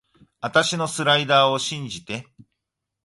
あたしのスライダーを信じて